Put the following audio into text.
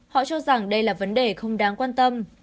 họ cho rằng đây là vấn đề không đáng quan tâm